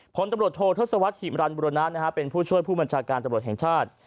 ผลตำรวจโทษทศวรรษหิมรันบุรณะเป็นผู้ช่วยผู้บัญชาการตำรวจแห่งชาติ